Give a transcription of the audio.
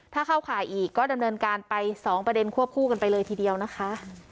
ถ้าเข้าข่ายอีกก็ดำเนินการไป๒ประเด็นควบคู่กันไปเลยทีเดียวนะคะ